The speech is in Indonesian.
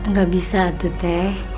gak bisa tuh teh